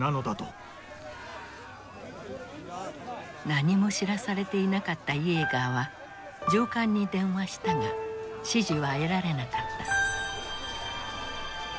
何も知らされていなかったイエーガーは上官に電話したが指示は得られなかった。